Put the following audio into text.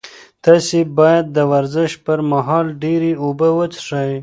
تاسي باید د ورزش پر مهال ډېرې اوبه وڅښئ.